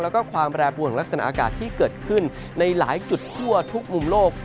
แล้วก็ความแปรบวนของลักษณะอากาศที่เกิดขึ้นในหลายจุดทั่วทุกมุมโลก